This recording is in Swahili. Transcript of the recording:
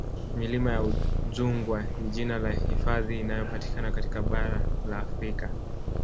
Milima ya Udzungwa ni jina la hifadhi inayopatikana katika bara la Afrika